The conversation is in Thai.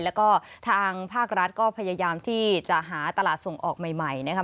แล้วก็ทางภาครัฐก็พยายามที่จะหาตลาดส่งออกใหม่นะครับ